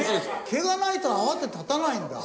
毛がないと泡って立たないんだ。